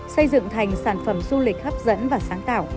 xây dựng thành sản phẩm du lịch hấp dẫn và sáng tạo